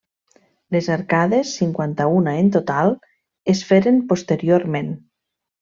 Les arcades, cinquanta-una en total, es feren posteriorment.